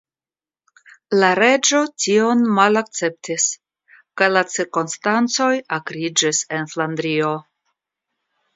La reĝo tion malakceptis kaj la cirkonstancoj akriĝis en Flandrio.